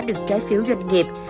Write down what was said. được trái phiếu doanh nghiệp